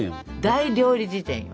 「大料理事典」よ。